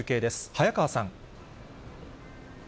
早川さん。